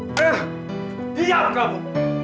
eh diam kamu